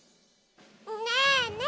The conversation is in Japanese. ねえねえ